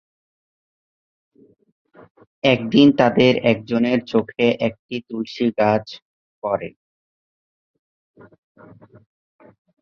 একদিন তাদের একজনের চোখে একটি তুলসী গাছ পড়ে।